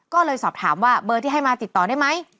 ก็เลยสอบถามว่าเบอร์ที่ให้มาติดต่อได้ไหม